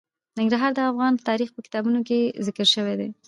ننګرهار د افغان تاریخ په کتابونو کې ذکر شوی دي.